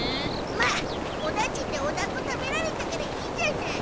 まあおだちんでおだんご食べられたからいいじゃない。